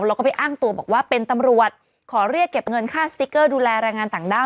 แล้วก็ไปอ้างตัวบอกว่าเป็นตำรวจขอเรียกเก็บเงินค่าสติ๊กเกอร์ดูแลแรงงานต่างด้าว